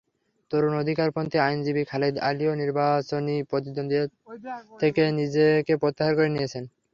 তরুণ অধিকারপন্থী আইনজীবী খালেদ আলীও নির্বাচনী প্রতিদ্বন্দ্বিতা থেকে নিজেকে প্রত্যাহার করে নিয়েছেন।